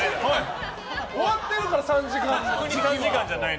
終わってるから３時間は！